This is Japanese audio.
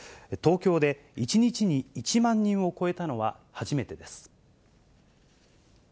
東京で１日に１万人を超えたのは初めてです。